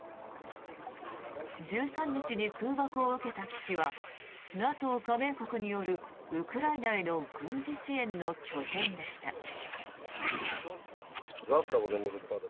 １３日に空爆を受けた基地はＮＡＴＯ加盟国によるウクライナへの軍事支援の拠点でした。